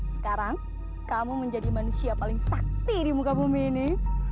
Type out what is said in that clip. sekarang kamu menjadi manusia paling sakti di muka bumi ini